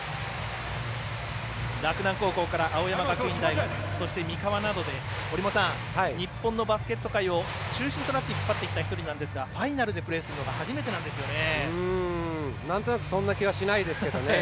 洛南高校から青山学院大学、そして三河などで折茂さん、日本のバスケット界を中心となって引っ張ってきた１人ですがファイナルでプレーするのはそんな気はしないですけどね。